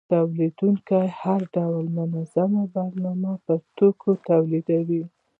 تولیدونکي له هر ډول منظمې برنامې پرته توکي تولیدوي